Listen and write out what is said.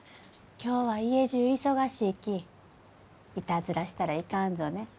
今日は家じゅう忙しいき。いたずらしたらいかんぞね。